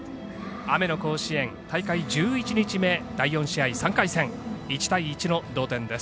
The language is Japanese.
雨の甲子園大会１１日目第４試合、３回戦１対１の同点です。